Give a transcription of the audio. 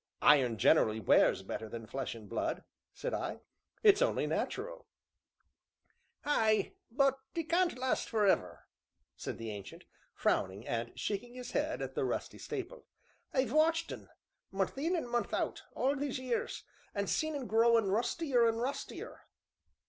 "Iron generally wears better than flesh and blood," said I; "it's only natural." "Ay, but 'e can't last forever," said the Ancient, frowning, and shaking his head at the rusty staple. "I've watched un, month in an' month out, all these years, an' seen un growin' rustier an' rustier.